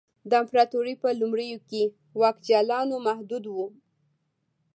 د امپراتورۍ په لومړیو کې واک جالانو محدود و